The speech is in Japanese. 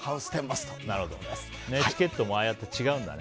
チケットもああやって違うんだね。